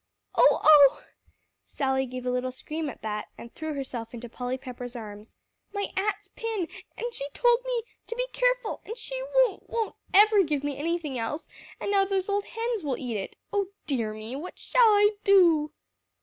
"Oh oh!" Sally gave a little scream at that, and threw herself into Polly Pepper's arms. "My aunt's pin and she told me to be careful, and she won't won't ever give me anything else, and now those old hens will eat it. Oh dear me! what shall I do?"